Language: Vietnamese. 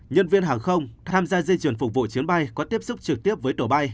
nhân viên hàng không tham gia di chuyển phục vụ chiến bay có tiếp xúc trực tiếp với tổ bay